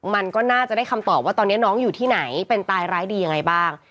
มันก็น่าจะได้คำตอบว่าตอนนี้น้องอยู่ที่ไหนเป็นตายร้ายดียังไงบ้าง